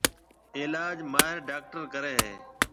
علاج ماھر ڊاڪٽر ڪرَي ھيََََ